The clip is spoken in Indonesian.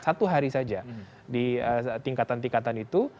satu hari saja di tingkatan tingkatan itu